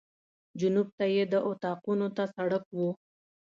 جنوب ته یې د اطاقونو ته سړک و.